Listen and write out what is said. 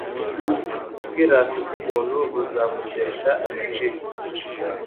Ubwirasi bw’umuntu buzamutesha agaciro